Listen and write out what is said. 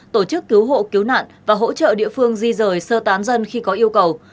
tổ chức cứu hộ cứu nạn và hỗ trợ địa phương di rời sơ tán dân khi có yêu cầu